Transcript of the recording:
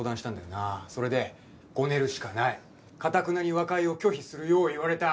それでごねるしかないかたくなに和解を拒否するよう言われた。